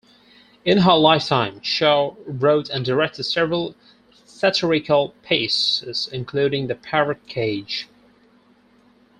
In her lifetime, Shaw wrote and directed several satirical pieces including "The Parrot Cage".